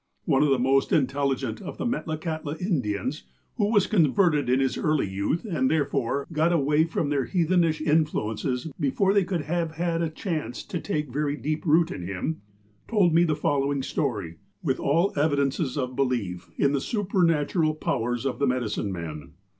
One of the most intelligent of the Metlakahtla Indians, who was converted in his early youth, and, therefore, got away from their heathenish influences before they could have had a chance to take very deep root in him, told me the following story, with all evidences of belief in the supernatural powers of the medicine men.